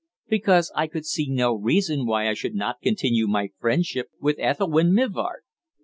"Because I could see no reason why I should not continue my friendship with Ethelwynn Mivart."